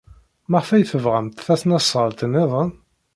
Maɣef ay tebɣamt tasnasɣalt niḍen?